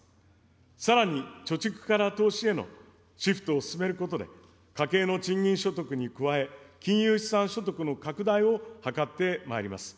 さらに、貯蓄から投資へのシフトを進めることで、家計の賃金所得に加え、金融資産所得の拡大を図ってまいります。